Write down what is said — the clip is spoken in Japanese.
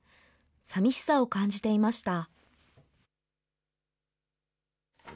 さみしさを感じていました。